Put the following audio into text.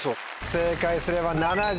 正解すれば。